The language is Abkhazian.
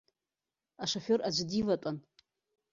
Ашафиор аӡәы диватәан.